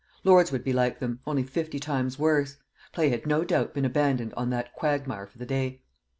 Lord's would be like them, only fifty times worse; play had no doubt been abandoned on that quagmire for the day.